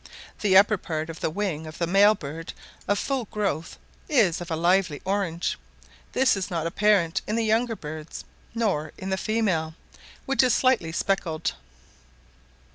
The upper part of the wing of the male bird of full growth is of a lively orange; this is not apparent in the younger birds, nor in the female, which is slightly speckled.